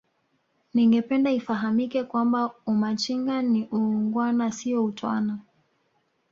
ningependa ifahamike kwamba Umachinga ni uungwana sio utwana